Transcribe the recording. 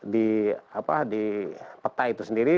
di peta itu sendiri